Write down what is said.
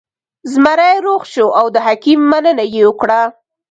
زمری روغ شو او د حکیم مننه یې وکړه.